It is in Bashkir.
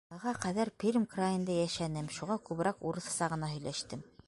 Быға ҡәҙәр Пермь крайында йәшәнем, шуға күберәк урыҫса ғына һөйләштем.